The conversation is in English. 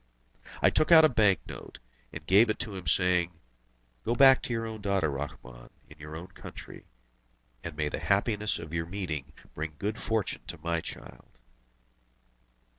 I took out a bank note, and gave it to him, saying: "Go back to your own daughter, Rahmun, in your own country, and may the happiness of your meeting bring good fortune to my child!"